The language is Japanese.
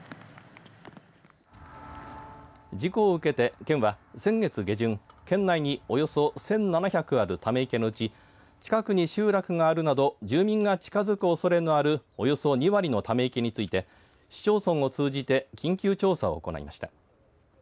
事故を受けて県は先月下旬、県内におよそ１７００あるため池のうち近くに集落があるなど住民が近づくおそれのあるおよそ２割のため池について市町村を通じて緊急調査を行いました。